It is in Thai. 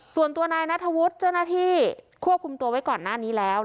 ส่วนตัวนายนัทธวุฒิเจ้าหน้าที่ควบคุมตัวไว้ก่อนหน้านี้แล้ว